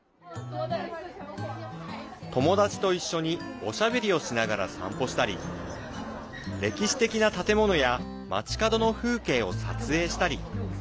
友達と一緒におしゃべりをしながら散歩したり歴史的な建物や街角の風景を撮影したり。